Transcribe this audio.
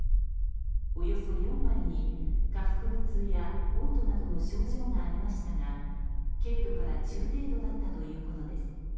およそ４割に下腹部痛や嘔吐などの症状がありましたが軽度から中程度だったということです。